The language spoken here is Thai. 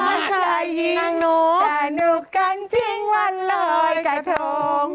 พักไถ่ยินประหนูก่อนจริงวันลอยไก่พง